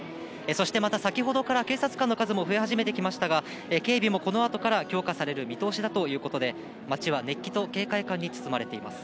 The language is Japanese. そしてまた先ほどから警察官の数も増え始めてきましたが、警備もこのあとから強化される見通しだということで、街は熱気と警戒感に包まれています。